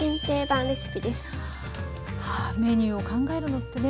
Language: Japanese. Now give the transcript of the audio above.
メニューを考えるのってね